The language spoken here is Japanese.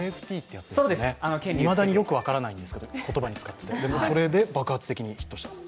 いまだによく分からないんですけど、それで爆発的にヒットしたと。